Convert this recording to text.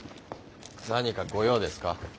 何かご用ですか？